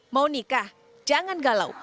mau nikah jangan galau